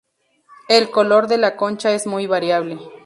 El color de la concha es muy variable.